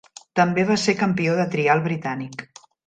També va ser Campió de trial britànic.